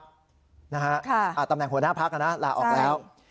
ตำแหน่งหัวหน้าพักนะลาออกแล้ว